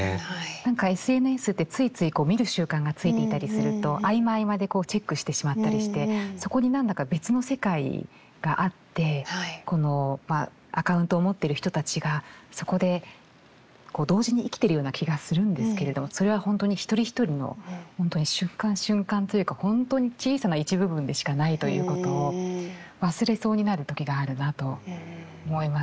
何かＳＮＳってついついこう見る習慣がついていたりすると合間合間でチェックしてしまったりしてそこに何だか別の世界があってこのアカウントを持っている人たちがそこで同時に生きているような気がするんですけれどもそれは本当に一人一人の本当に瞬間瞬間というか本当に小さな一部分でしかないということを忘れそうになる時があるなと思います。